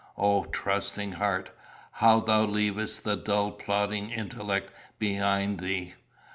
O, trusting heart, how thou leavest the dull plodding intellect behind thee!